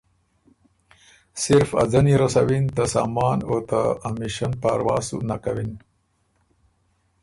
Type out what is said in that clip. صرف ا ځنی رسَوِن ته سامان او ته امیشن پاروا سُو نک کوِن۔